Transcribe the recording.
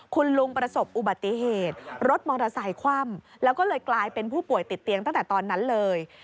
คุณลุงประสบอุบัติเหตุรถมอเตอร์ไซคว่ำแล้วก็เลยกลายเป็นผู้ป่วยติดเตียงตั้งแต่ตอนนั้นเลย